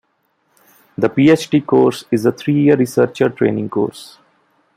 The PhD course is a three-year researcher training course.